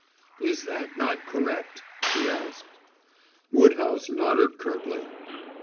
"Is that not correct?" he asked. Woodhouse nodded curtly.